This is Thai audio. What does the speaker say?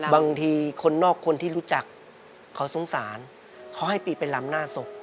บางทีคนนอกคนที่รู้จักเขาสงสารเขาให้ปีไปลำหน้าศพ